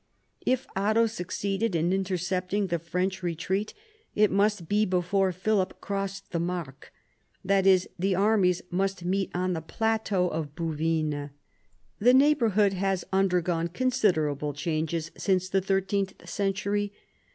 If Otto succeeded in intercepting the French retreat it must be before Philip crossed the Marcq — that is, the armies must meet on the plateau of Bouvines. The neighbourhood has undergone considerable changes since the thirteenth century.